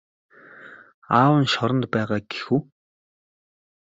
Аав нь шоронд байгаа гэх үү?